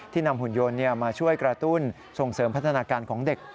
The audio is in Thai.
นำหุ่นยนต์มาช่วยกระตุ้นส่งเสริมพัฒนาการของเด็ก